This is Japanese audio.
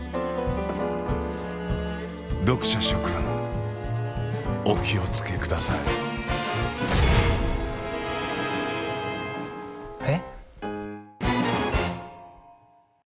読者諸君お気を付けくださいえっ？